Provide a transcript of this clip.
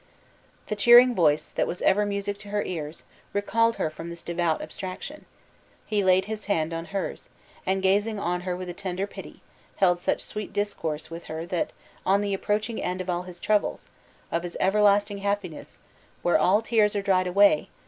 The cheering voice, that was ever music to her ears, recalled her from this devout abstraction. He laid his hand on hers, and gazing on her with a tender pity, held such sweet discourse with her on the approaching end of all his troubles, of his everlasting happiness, where "all tears are dried away!"